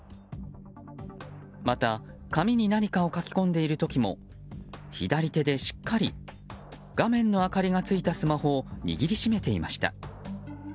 また、紙に何かを書き込んでいる時も左手でしっかり画面の明かりがついたスマホを握りしめていました。